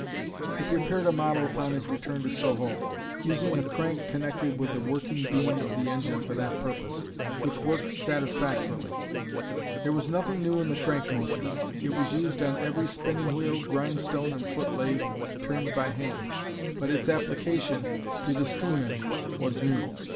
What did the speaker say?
He prepared a model upon his return to Soho, using a crank connected with the working beam of the engine for that purpose, which worked satisfactorily. There was nothing new in the crank motion; it was used on every spinning wheel, grind stone and foot lathe turned by hand, but its application to the steam engine was new.